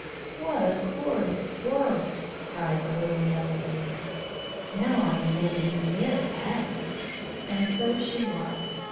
"What a glorious world!" cried the little yellow lady. "Now I am going to be very happy." And so she was.